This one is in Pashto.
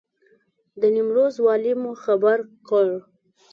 د نیمروز والي مو خبر کړ.